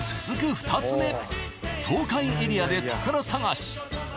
２つ目東海エリアで宝探し